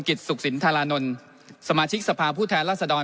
กิตศุษษินทารานลสมาททิกสภาผู้แทนราษดร